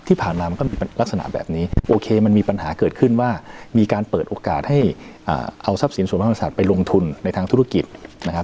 ที่ผ่านมามันก็มีลักษณะแบบนี้โอเคมันมีปัญหาเกิดขึ้นว่ามีการเปิดโอกาสให้เอาทรัพย์สินส่วนพระมหาศาสตร์ไปลงทุนในทางธุรกิจนะครับ